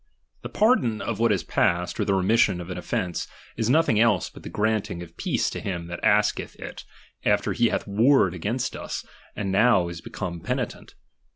The pardon of what is past, or the remission of an offence, is nothing else but the granting of peace to him that asketh it, after he hath warred against us, and now is be come penitent.